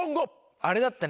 あれだったね。